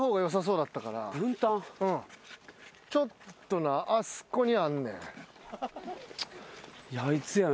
ちょっとなあそこにあんねん。